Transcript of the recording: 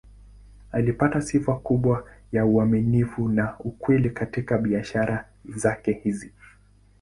Alipata sifa kubwa ya uaminifu na ukweli katika biashara zake hizi.